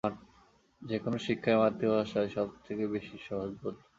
যেকোনো শিক্ষাই মাতৃভাষায় সবথেকে বেশী সহজবোধ্য।